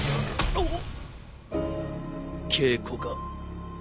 あっ！